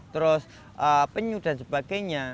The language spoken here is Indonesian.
terus penyu dan sebagainya